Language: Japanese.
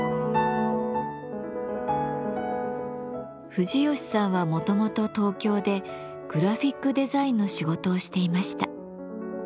藤吉さんはもともと東京でグラフィックデザインの仕事をしていました。